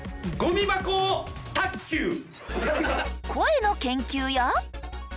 声の研究や。